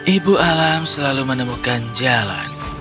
ibu alam selalu menemukan jalan